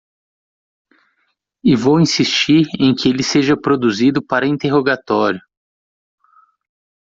E vou insistir em que ele seja produzido para interrogatório.